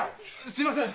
すみません！